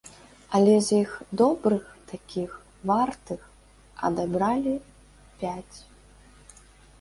Але з іх добрых такіх, вартых адабралі пяць.